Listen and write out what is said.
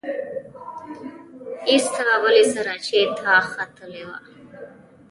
ایسته بلې سراچې ته ختلې وه.